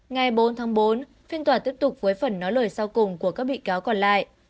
ngày bốn tháng bốn phiên tòa tiếp tục với phần nói lời sau cùng của các bị cáo còn lại